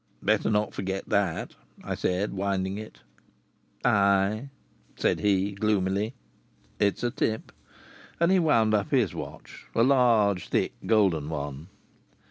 "Better not forget that," I said, winding it. "Ay!" said he, gloomily. "It's a tip." And he wound up his watch; a large, thick, golden one.